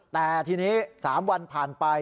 แต่ทีนี้๓วันผ่านไป